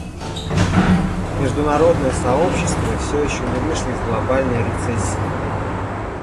Международное сообщество все еще не вышло из глобальной рецессии.